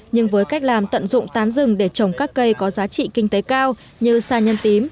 nhưng với cách làm tận dụng tán rừng để trồng các cây có giá trị kinh tế cao như sa nhân tím